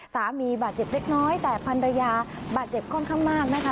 สามีบาดเจ็บเล็กน้อยแต่พันรยาบาดเจ็บค่อนข้างมากนะคะ